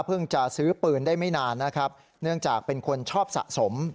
จะซื้อปืนได้ไม่นานนะครับเนื่องจากเป็นคนชอบสะสม